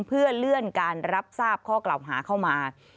เพื่อเลื่อนการรับทราบข้อกล่าวหาเข้ามา